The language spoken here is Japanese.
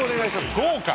豪華。